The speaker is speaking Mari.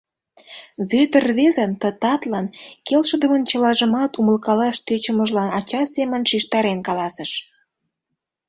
— Вӧдыр рвезын ты татлан келшыдымын чылажымат умылкалаш тыӧчымыжлан ача семын шижтарен каласыш.